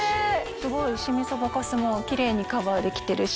すごいシミそばかすもキレイにカバーできてるし。